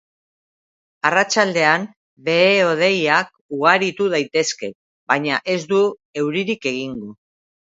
Arratsaldean behe-hodeiak ugaritu daitezke, baina ez du euririk egingo.